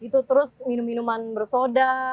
terus minuman minuman bersoda